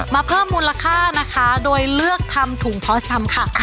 มาเพิ่มมูลค่าโดยเลือกทำถุงพอร์ชัม